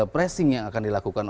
pressing yang akan dilakukan